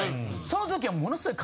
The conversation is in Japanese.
その時はものすごい。